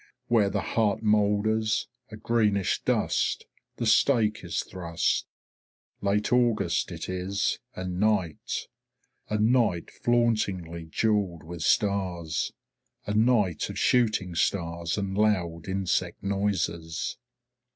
Where the heart moulders, a greenish dust, the stake is thrust. Late August it is, and night; a night flauntingly jewelled with stars, a night of shooting stars and loud insect noises.